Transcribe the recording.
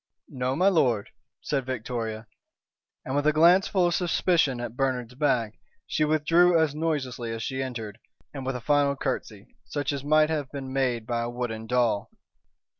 "No, m'lord," said Victoria, and, with a glance full of suspicion at Bernard's back, she withdrew as noiselessly as she entered, and with a final curtsey, such as might have been made by a wooden doll.